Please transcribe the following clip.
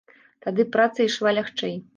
Тады праца ішла лягчэй.